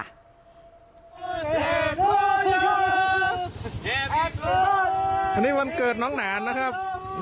วันนี้วันเกิดน้องหนานนะครับ